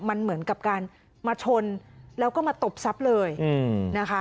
มันเหมือนกับการมาชนแล้วก็มาตบทรัพย์เลยนะคะ